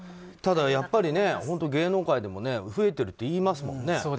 ただやっぱり本当芸能界でも増えているといいますもんね。